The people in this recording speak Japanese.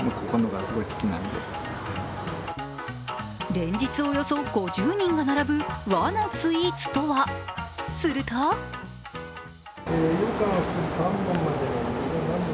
連日およそ５０人が並ぶ和のスイーツとは、すると羊羹！